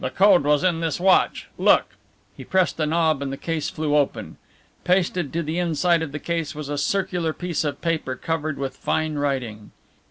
"That code was in this watch. Look!" He pressed a knob and the case flew open. Pasted to the inside of the case was a circular piece of paper covered with fine writing.